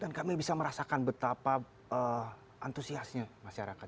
dan kami bisa merasakan betapa antusiasnya masyarakat